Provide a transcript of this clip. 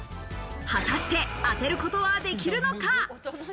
果たして、当てることはできるのか？